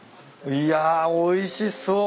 いやおいしそう。